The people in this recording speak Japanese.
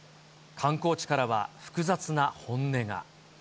観光地からは複雑な本音が。